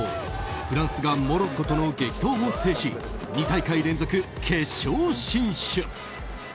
フランスがモロッコとの激闘を制し２大会連続決勝進出！